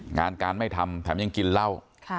งานการไม่ทำแถมยังกินเหล้า